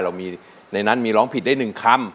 เรามีในนั้นมีร้องผิดได้๑คำ